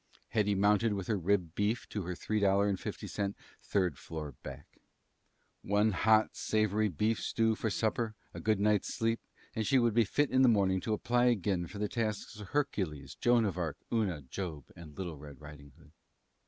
Hetty mounted with her rib beef to her $3.50 third floor back. One hot, savory beef stew for supper, a night's good sleep, and she would be fit in the morning to apply again for the tasks of Hercules, Joan of Arc, Una, Job, and Little Red Riding Hood.